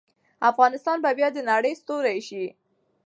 افغانستان به بیا د نړۍ ستوری شي.